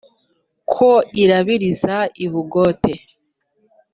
ko irabiriza i bugote